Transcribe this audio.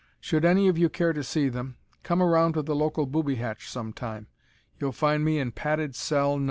Should any of you care to see them, come around to the local booby hatch some time: you'll find me in Padded Cell No.